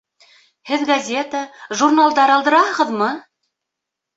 Һеҙ газета, журналдар алдыраһығыҙмы?